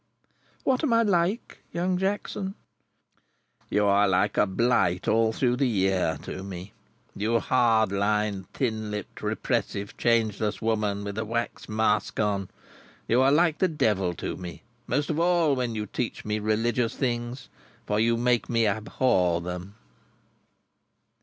"What am I like, Young Jackson?" "You are like a blight all through the year, to me. You hard lined, thin lipped, repressive, changeless woman with a wax mask on. You are like the Devil to me; most of all when you teach me religious things, for you make me abhor them."